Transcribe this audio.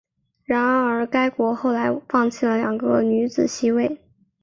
然而该国后来放弃了两个女子席位。